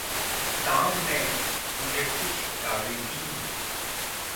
Tom ने मुझे कुछ किताबें दी।